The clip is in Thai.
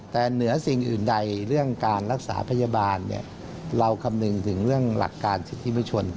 แต่เหนือสิ่งอื่นใดเรื่องการรักษาพยาบาลเราคำนึงถึงเรื่องหลักการสิทธิประชน